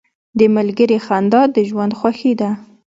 • د ملګري خندا د ژوند خوښي ده.